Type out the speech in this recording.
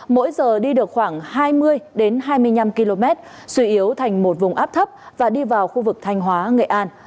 mỗi giờ đi được khoảng hai mươi hai mươi năm km suy yếu thành một vùng áp thấp và đi vào khu vực thanh hóa nghệ an